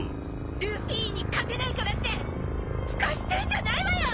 ・ルフィに勝てないからってふかしてんじゃないわよ！